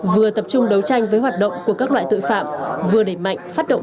vừa tập trung đấu tranh với hoạt động của các loại tội phạm vừa đẩy mạnh phát động